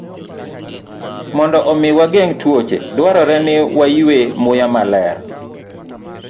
Mondo omi wageng' tuoche, dwarore ni waywe muya maler.